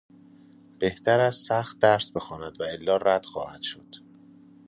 بهتر است سخت درس بخواند والا رد خواهد شد.